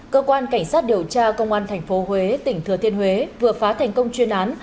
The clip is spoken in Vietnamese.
cơ quan cảnh sát điều tra công an tp huế tỉnh thừa thiên huế vừa phá thành công chuyên án